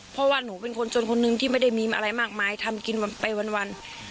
เพราะว่าหนูเป็นคนจนคนนึงที่ไม่ได้มีอะไรมากมายทำกินไปวัน